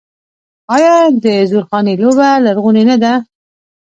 آیا د زورخانې لوبه لرغونې نه ده؟